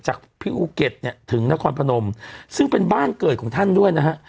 จากพี่อูเก็ตเนี่ยถึงนครพนมซึ่งเป็นบ้านเกิดของท่านด้วยนะฮะ